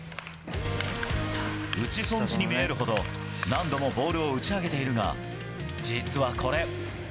打ち損じに見えるほど、何度もボールを打ち上げているが、実はこれ。